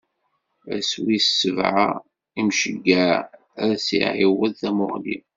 Ass wis sebɛa, Imceyyeɛ ad s-iɛiwed tamuɣli.